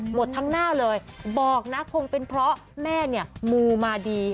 หมดทั้งหน้าเลยบอกนะคงเป็นเพราะแม่เนี่ยมูมาดี